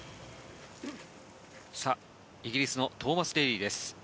イギリスのトーマス・デーリーです。